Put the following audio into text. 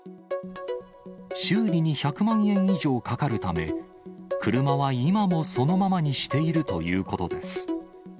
修理に１００万円以上かかるため、車は今もそのままにしているということです。